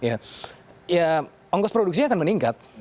ya ongkos produksinya akan meningkat